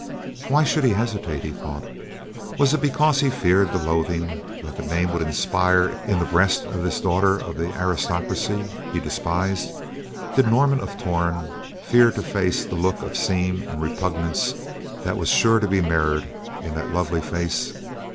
Why should he hesitate, he thought. Was it because he feared the loathing that name would inspire in the breast of this daughter of the aristocracy he despised? Did Norman of Torn fear to face the look of seem and repugnance that was sure to be mirrored in that lovely face?